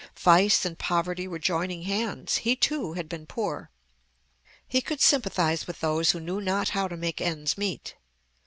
Vice and poverty were joining hands. He, too, had been poor. He could sympathize with those who knew not how to make ends meet.